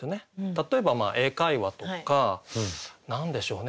例えば英会話とか何でしょうね